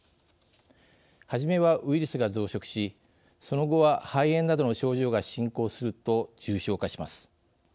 初めはウイルスが増殖しその後は、肺炎などの症状が進行すると重症化します。